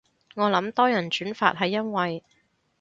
我諗多人轉發係因為